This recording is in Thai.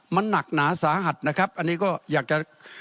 มันหนักหนาสาหัสนะครับอันนี้ก็อยากจะ